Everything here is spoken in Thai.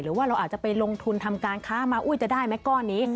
หรือว่าเราอาจจะไปลงทุนทำการค้ามาอุ้ยจะได้ไหมก้อนนี้